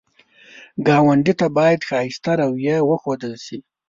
ګاونډي ته باید ښایسته رویه وښودل شي